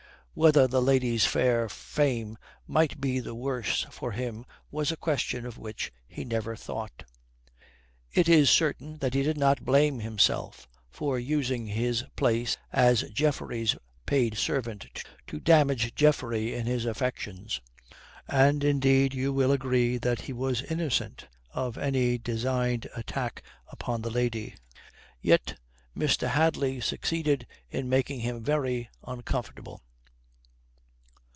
Whether the lady's fair fame might be the worse for him was a question of which he never thought. It is certain that he did not blame himself for using his place as Geoffrey's paid servant to damage Geoffrey in his affections. And indeed you will agree that he was innocent of any designed attack upon the lady. Yet Mr. Hadley succeeded in making him very uncomfortable.